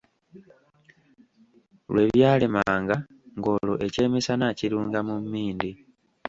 Lwebyalemanga ng'olwo ekyemisana akirunga mu mmindi!